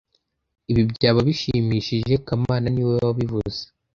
Ibi byaba bishimishije kamana niwe wabivuze